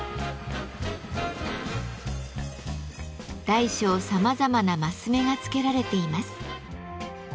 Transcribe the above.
大小さまざまな升目がつけられています。